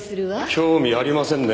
興味ありませんね。